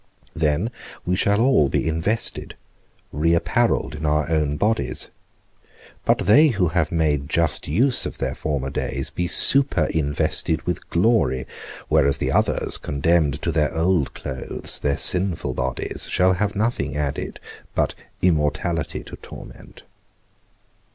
Then we shall all be invested, reapparelled in our own bodies; but they who have made just use of their former days be super invested with glory; whereas the others, condemned to their old clothes, their sinful bodies, shall have nothing added but immortality to torment.